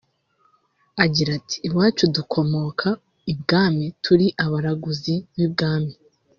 Agira ati “Iwacu dukomoka ibwami turi abaraguzi b’ibwami